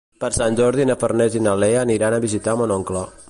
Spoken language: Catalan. Per Sant Jordi na Farners i na Lea aniran a visitar mon oncle.